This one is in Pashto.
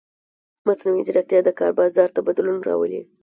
مصنوعي ځیرکتیا د کار بازار ته بدلون راولي.